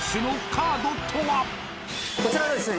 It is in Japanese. こちらはですね